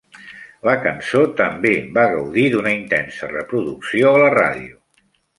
La cançó també va gaudir d'una intensa reproducció a la ràdio.